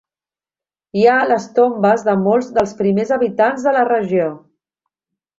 Hi ha les tombes de molts dels primers habitants de la regió.